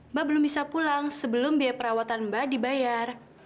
mbak belum bisa pulang sebelum biaya perawatan mbak dibayar